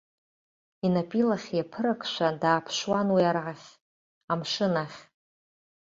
Инап илахь иаԥыракшәа дааԥшуан уи арахь, амшын ахь.